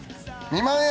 ２万円！